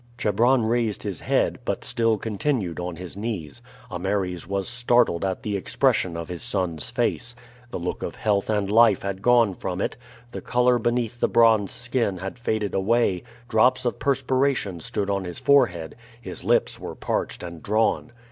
Chebron raised his head, but still continued on his knees. Ameres was startled at the expression of his son's face. The look of health and life had gone from it, the color beneath the bronze skin had faded away, drops of perspiration stood on his forehead, his lips were parched and drawn.